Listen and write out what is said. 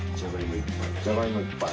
じゃがいもいっぱい。